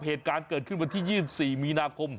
เหตุการณ์เกิดขึ้นวันที่๒๔มีนาคม